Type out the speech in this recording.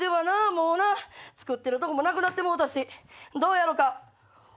もう作ってるとこもなくなってもうたしどうやろか。